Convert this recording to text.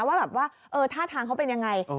ว่าแบบว่าเออท่าทางเขาเป็นอย่างไร